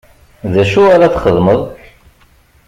D acu ara txedmeḍ?